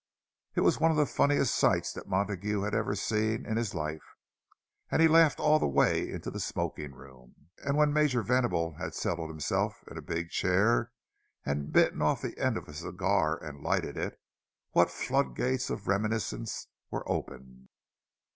It was one of the funniest sights that Montague had ever seen in his life, and he laughed all the way into the smoking room. And, when Major Venable had settled himself in a big chair and bitten off the end of a cigar and lighted it, what floodgates of reminiscence were opened!